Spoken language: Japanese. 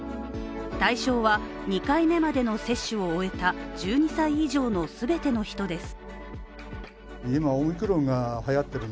対象は２回目までの接種を終えた１２歳以上の全ての人です。